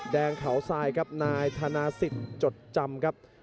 แดงเขาทรายครับนายธนาศิษย์จดจำครับ